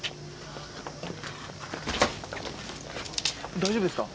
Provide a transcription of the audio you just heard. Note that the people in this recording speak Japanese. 大丈夫ですか？